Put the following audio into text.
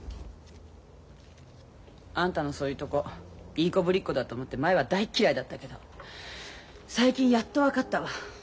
あんたのそういうとこいい子ぶりっ子だと思って前は大っ嫌いだったけど最近やっと分かったわ。